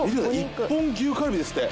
一本牛カルビですって。